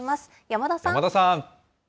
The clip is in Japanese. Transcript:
山田さん。